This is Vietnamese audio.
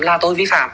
là tôi vi phạm